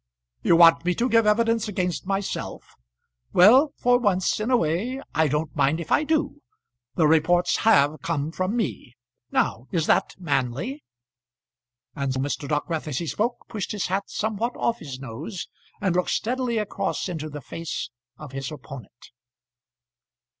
"You want me to give evidence against myself. Well, for once in a way I don't mind if I do. The reports have come from me. Now, is that manly?" And Mr. Dockwrath, as he spoke, pushed his hat somewhat off his nose, and looked steadily across into the face of his opponent.